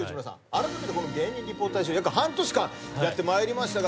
あらためて芸人リポート大賞約半年間やってまいりましたが。